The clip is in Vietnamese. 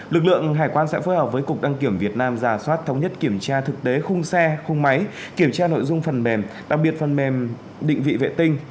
lực lượng hải quan sẽ phối hợp với cục đăng kiểm việt nam ra soát thống nhất kiểm tra thực tế khung xe khung máy kiểm tra nội dung phần mềm đặc biệt phần mềm định vị vệ tinh